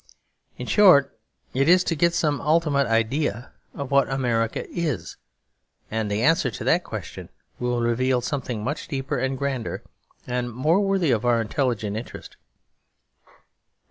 In short, it is to get some ultimate idea of what America is; and the answer to that question will reveal something much deeper and grander and more worthy of our intelligent interest.